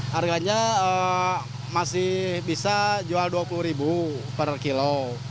harganya masih bisa jual rp dua puluh per kilo